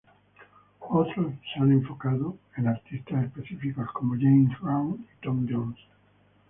Otros se han enfocado en artistas específicos, como James Brown y Tom Jones.